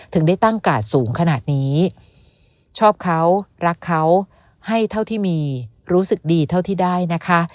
ถึงได้ตั้งกาดสูงขนาดนี้ชอบเขารักเขาให้เท่าที่มีรู้สึกดีเท่าที่ได้นะคะ